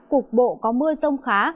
cục bộ có mưa rông khá